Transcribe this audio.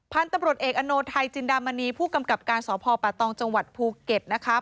พันธุ์ตำรวจเอกอโนไทยจินดามณีผู้กำกับการสพปะตองจังหวัดภูเก็ตนะคะ